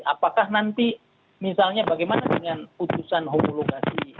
apakah nanti misalnya bagaimana dengan putusan homologasi